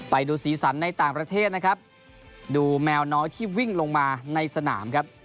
ไปดูสีสันในต่างประเทศนะครับดูแมวน้อยที่วิ่งลงมาในสนามครับ